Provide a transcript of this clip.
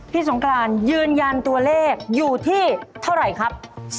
สงกรานยืนยันตัวเลขอยู่ที่เท่าไหร่ครับ